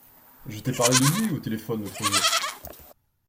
Je t’ai parlé de lui au téléphone l’autre jour.